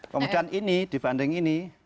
kemudian ini dibanding ini